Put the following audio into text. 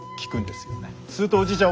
するとおじいちゃん